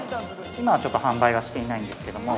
◆今はちょっと販売はしていないんですけども。